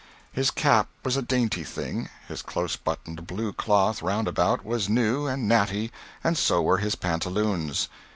His cap was a dainty thing, his close buttoned blue cloth roundabout was new and natty, and so were his pantaloons.